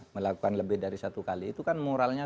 melakukan lebih dari satu kali itu kan moralnya